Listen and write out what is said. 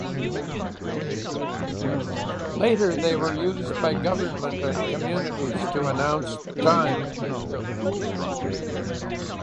Later they were used by government and communities to announce the time.